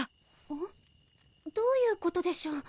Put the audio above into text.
ん？どういうことでしょう！？